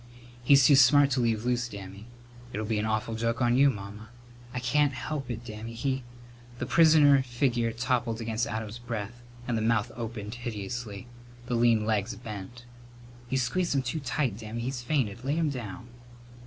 "He's too smart to leave loose, Dammy." "It'll be an awful joke on you, Mamma." "I can't help it, Dammy. He " The prisoner figure toppled back against Adam's breast and the mouth opened hideously. The lean legs bent. "You squeezed him too tight, Dammy. He's fainted. Lay him down."